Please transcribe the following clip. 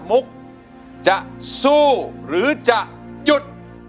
มุกจะสู้หรือจะหยุด